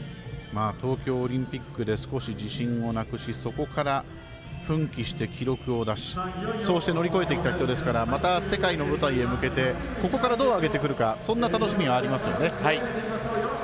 東京オリンピックで少し自信をなくしそこから奮起して記録を出しそうして乗り越えてきた人ですから世界の舞台へ向けてここから、どう上げてくるかそんな楽しみはありますよね。